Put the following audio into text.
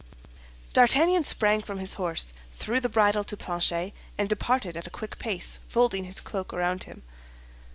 D'Artagnan sprang from his horse, threw the bridle to Planchet, and departed at a quick pace, folding his cloak around him.